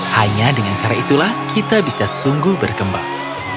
hanya dengan cara itulah kita bisa sungguh berkembang